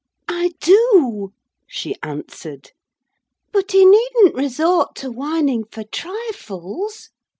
"I do," she answered, "but he needn't resort to whining for trifles.